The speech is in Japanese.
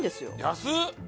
安っ！